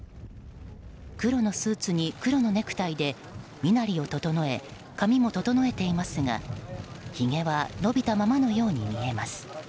黒のスーツに黒のネクタイで身なりを整え髪も整えていますが、ひげは伸びたままのように見えます。